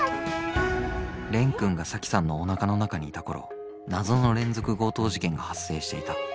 蓮くんが沙樹さんのおなかの中にいた頃謎の連続強盗事件が発生していた。